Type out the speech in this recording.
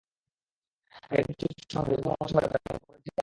আগের দিন চৈত্র সংক্রান্তি, বৈশাখের দিন মঙ্গল শোভাযাত্রা এবং পরের দিন যাত্রাপালা।